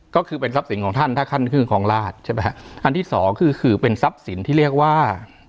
ก็คือเป็นทรัพย์สินของท่านถ้าท่านขึ้นครองราชใช่ไหมฮะอันที่สองคือคือเป็นทรัพย์สินที่เรียกว่า